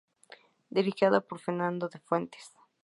Dirigida por Fernando de Fuentes.